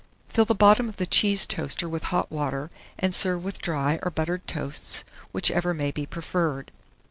Fill the bottom of the cheese toaster with hot water, and serve with dry or buttered toasts, whichever may be preferred.